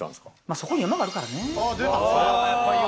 そこに山があるからね。